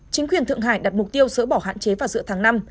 chính quyền thượng hải đặt mục tiêu sỡ bỏ hạn chế vào giữa tháng năm